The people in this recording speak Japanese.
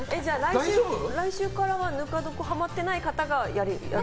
来週からはぬか床にハマってない方がやる？